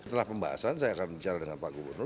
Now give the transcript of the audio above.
setelah pembahasan saya akan bicara dengan pak gubernur